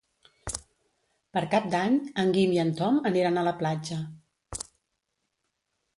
Per Cap d'Any en Guim i en Tom aniran a la platja.